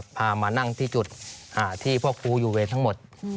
มานั่งที่จุดที่พวกครูอยู่เวรทั้งหมด